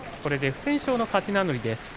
不戦勝の勝ち名乗りです。